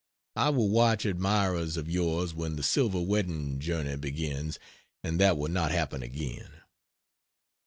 I will watch admirers of yours when the Silver Wedding journey begins, and that will not happen again.